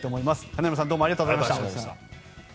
金村さんどうもありがとうございました。